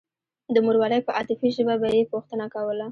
د مورولۍ په عاطفي ژبه به يې پوښتنه کوله.